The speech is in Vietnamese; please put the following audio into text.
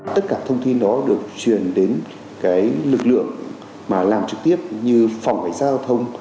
tất cả thông tin đó được truyền đến lực lượng làm trực tiếp như phòng cảnh sao thông